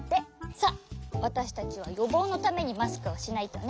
さあわたしたちはよぼうのためにマスクをしないとね。